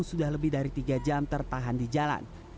sudah lebih dari tiga jam tertahan di jalan